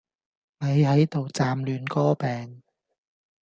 咪係度劖亂歌柄